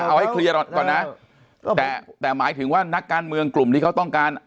เอาให้เคลียร์ก่อนนะแต่แต่หมายถึงว่านักการเมืองกลุ่มที่เขาต้องการ